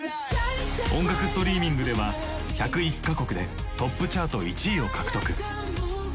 音楽ストリーミングでは１０１か国でトップチャート１位を獲得。